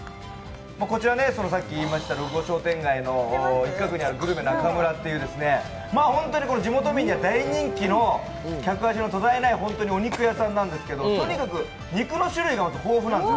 こちら、六号坂商店街の一角にあるグルメ・ナカムラという本当に地元民には大人気の客足の途絶えないお肉屋さんですけどとにかく肉の種類が豊富なんです。